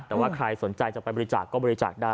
แต่ว่าใครสนใจจะไปบริจาคก็บริจาคได้